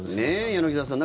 柳澤さん